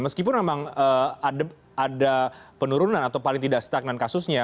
meskipun memang ada penurunan atau paling tidak stagnan kasusnya